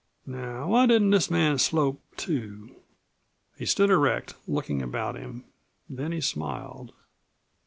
Now why didn't this man slope too?" He stood erect, looking about him. Then he smiled.